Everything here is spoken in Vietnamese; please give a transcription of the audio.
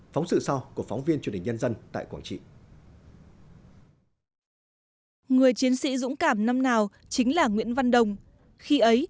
phóng sự sau của phóng viên truyền hình nhân dân tại quảng trị